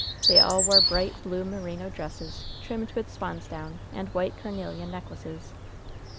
They all wore bright, blue merino dresses, trimmed with swan's down, and white carnelian necklaces.